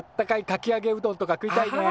かきあげうどんとか食いたいね。